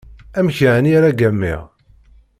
Amek yeɛni ara ggamiɣ?